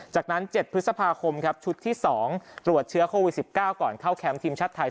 จากนั้น๗พฤษภาคมครับชุดที่๒ตรวจเชื้อโควิด๑๙ก่อนเข้าแคมป์ทีมชาติไทย